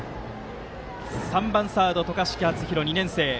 打席には３番、サード渡嘉敷篤弘、２年生。